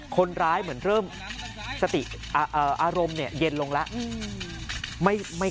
เหมือนเริ่มสติอารมณ์เย็นลงแล้ว